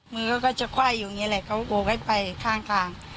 มือก็จะค่อยอยู่แบบนี้แหละเขาโหลไปข้าง